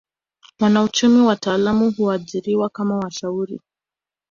Wanauchumi wataalamu huajiriwa kama washauri